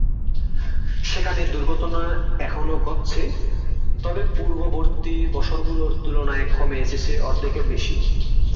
সেখানে দুর্ঘটনা এখনো ঘটছে, তবে পূর্ববর্তী বছরগুলোর তুলনায় কমে এসেছে অর্ধেকের বেশি।